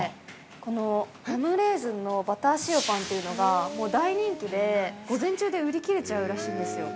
このラムレーズンのバター塩パンというのがもう大人気で午前中で売り切れちゃうらしいんですよ。